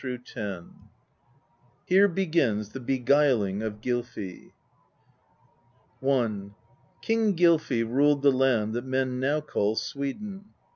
GYLFAGINNING HERE BEGINS THE BEGUILING OF GYLFI I. King Gylfi ruled the land that men now call Sweden.